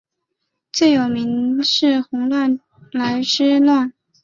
最有名是洪景来之乱。